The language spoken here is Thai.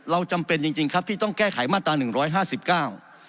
เราจำเป็นจริงครับที่ต้องแก้ไขมาตรา๑๕๙